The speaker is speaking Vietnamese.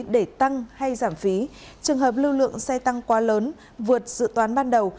để tăng hay giảm phí trường hợp lưu lượng xe tăng quá lớn vượt dự toán ban đầu